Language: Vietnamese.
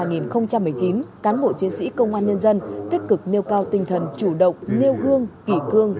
năm hai nghìn một mươi chín cán bộ chiến sĩ công an nhân dân tích cực nêu cao tinh thần chủ động nêu gương kỷ cương